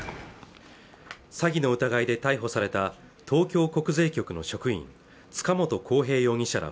詐欺の疑いで逮捕された東京国税局の職員塚本晃平容疑者ら